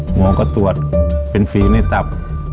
หมอก็ตรวจเป็นฝีในตับ